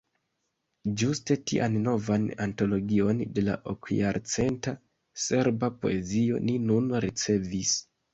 Ĝuste tian novan antologion, de la okjarcenta serba poezio, ni nun ricevis.